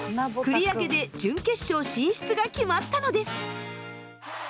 繰り上げで準決勝進出が決まったのです！